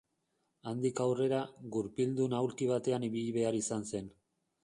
Handik aurrera, gurpildun aulki batean ibili behar izan zen.